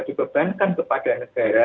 dibebankan kepada negara